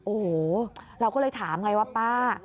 โอ้โหเราก็เลยถามไงว่าป้า